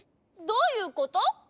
どういうこと？